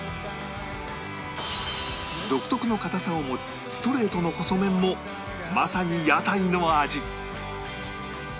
独特の硬さを持つストレートの細麺もまさに屋台の味